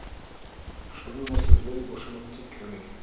Шуның өсөн гел бошоноп тик йөрөй.